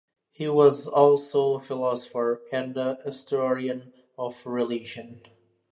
He was also a philosopher and a historian of religion.